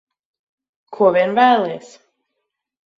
Ko vien vēlies.